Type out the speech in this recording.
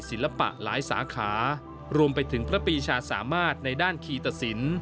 ศิลปะหลายสาขารวมไปถึงพระปีชาสามารถในด้านคีตสิน